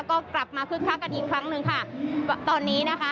ก็กลับมาคึกคักกันอีกครั้งหนึ่งค่ะตอนนี้นะคะ